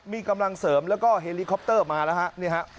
มีกำลังเสริมแล้วก็เฮลิคอปเตอร์มานะครับ